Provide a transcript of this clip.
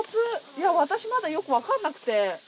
いや、私まだ、よく分からなくて。